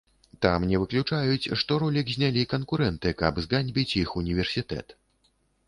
Там не выключаюць, што ролік знялі канкурэнты, каб зганьбіць іх універсітэт.